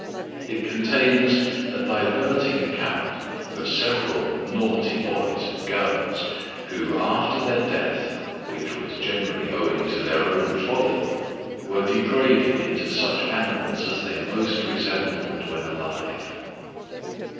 It contains a diverting account of several naughty boys and girls, who, after their death (which was generally owing to their own folly) were degraded into such animals as they most resembled when alive.